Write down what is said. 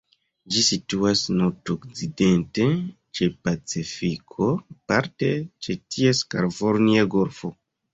Ĝi situas nordokcidente ĉe Pacifiko, parte ĉe ties Kalifornia Golfo.